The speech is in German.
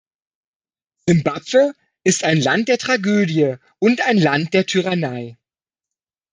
Simbabwe ist ein Land der Tragödie und ein Land der Tyrannei.